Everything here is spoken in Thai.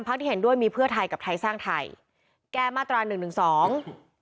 ที่เห็นด้วยมีเพื่อไทยกับไทยสร้างไทยแก้มาตราหนึ่งหนึ่งสอง